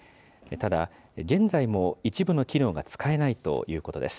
ただ、現在も一部の機能が使えないということです。